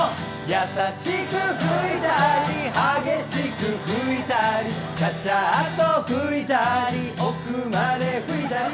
優しく拭いたり激しく拭いたりちゃちゃっと拭いたり奥まで拭いたり。